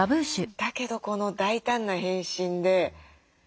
だけどこの大胆な変身で。